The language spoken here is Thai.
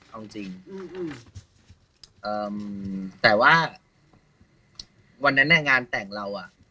วันนั้นเนี่ยงานแต่งเราอ่ะ